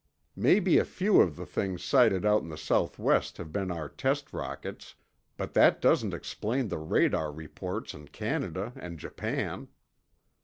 Maybe few of the things sighted out in the Southwest have beer our test rockets, but that doesn't explain the radar reports in Canada and Japan."